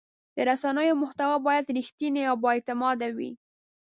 د رسنیو محتوا باید رښتینې او بااعتماده وي.